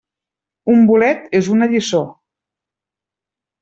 Un bolet és una lliçó.